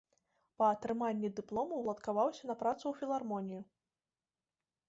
Па атрыманні дыплому ўладкаваўся на працу ў філармонію.